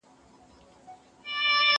زه به سبا کتابتون ته ځم؟!